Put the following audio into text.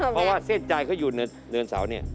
เพราะว่าเส้นใจเขาอยู่เนินเสาเนี่ย